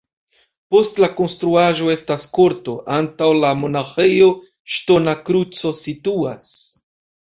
Post la konstruaĵo estas korto, antaŭ la monaĥejo ŝtona kruco situas.